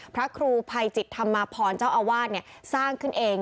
พระครูภัยจิตธรรมาพรเจ้าอาวาสสร้างขึ้นเอง